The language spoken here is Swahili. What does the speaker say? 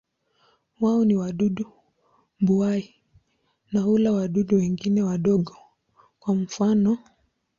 Wao ni wadudu mbuai na hula wadudu wengine wadogo, kwa mfano.